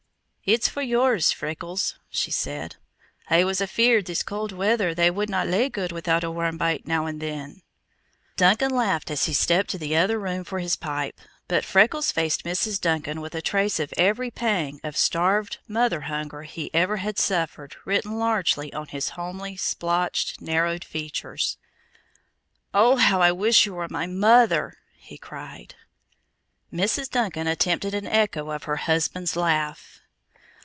"It's for yours, Freckles," she said. "I was afeared this cold weather they wadna lay good without a warm bite now and then." Duncan laughed as he stepped to the other room for his pipe; but Freckles faced Mrs. Duncan with a trace of every pang of starved mother hunger he ever had suffered written large on his homely, splotched, narrow features. "Oh, how I wish you were my mother!" he cried. Mrs. Duncan attempted an echo of her husband's laugh.